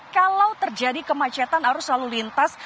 kalau terjadi kemacetan arus lalu lintas